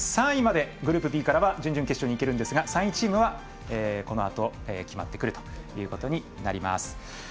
３位までグループＢからは準々決勝にいけるんですが３位チームはこのあと決まってくるということになります。